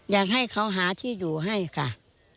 อยากให้เขาหาที่อยู่ให้ค่ะ